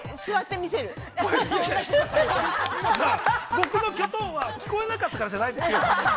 僕のきょとんは聞こえなかったからじゃないですよ。